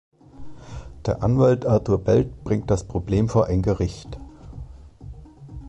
Der Anwalt Arthur Belt bringt das Problem vor ein Gericht.